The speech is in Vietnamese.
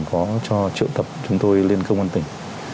có cho trợ tập chúng tôi lên cơ quân tỉnh